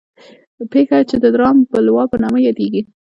پېښه چې د رام بلوا په نامه یادېږي.